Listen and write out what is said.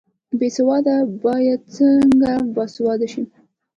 بې سواده باید څنګه باسواده شي؟